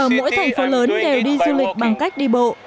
ở mỗi thành phố lớn đều đi du lịch bằng cách đi bộ